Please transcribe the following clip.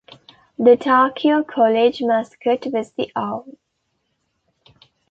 The Tarkio College mascot was the owl.